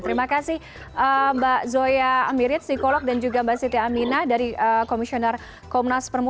terima kasih mbak zoya amirit psikolog dan juga mbak siti aminah dari komisioner komnas perempuan